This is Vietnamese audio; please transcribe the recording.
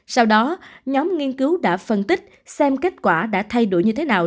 sau đó nhóm nghiên cứu đã phân tích xem kết quả đã thay đổi như thế nào